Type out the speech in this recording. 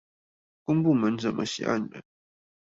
公部門怎麼寫案的